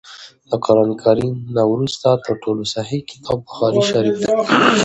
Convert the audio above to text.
د قران کريم نه وروسته تر ټولو صحيح کتاب بخاري شريف دی